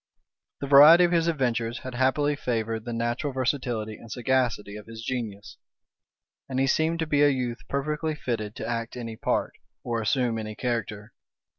The variety of his adventures had happily favored the natural versatility and sagacity of his genius; and he seemed to be a youth perfectly fitted to act any part, or assume any character.